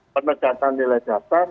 pemegatan nilai dasar